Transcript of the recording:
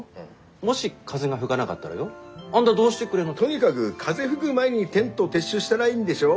もし風が吹がながったらよあんだどうしてくれんの。とにかぐ風吹ぐ前にテント撤収したらいいんでしょ？